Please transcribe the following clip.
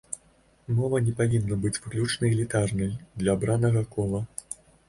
Мова не павінна быць выключна элітарнай, для абранага кола.